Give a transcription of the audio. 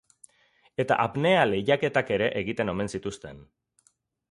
Eta apnea lehiaketak ere egiten omen zituzten.